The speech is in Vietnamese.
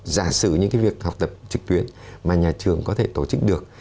giả sử những cái việc học tập trực tuyến mà nhà trường có thể tổ chức được